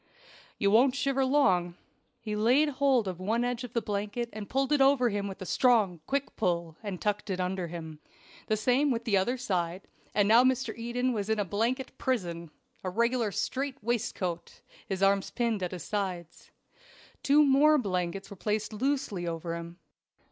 "You won't shiver long." He laid hold of one edge of the blanket and pulled it over him with a strong, quick pull, and tucked it under him. The same with the other side; and now Mr. Eden was in a blanket prison a regular strait waistcoat his arms pinned to his sides. Two more blankets were placed loosely over him.